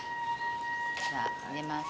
じゃあ入れます。